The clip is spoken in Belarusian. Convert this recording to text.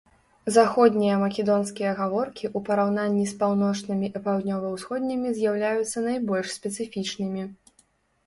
Заходнія македонскія гаворкі ў параўнанні з паўночнымі і паўднёва-ўсходнімі з'яўляюцца найбольш спецыфічнымі.